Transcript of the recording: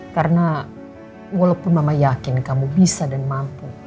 karena walaupun mama yakin kamu bisa dan mampu